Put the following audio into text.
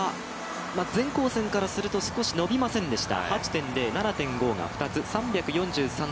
全紅嬋からすると少し伸びませんでした。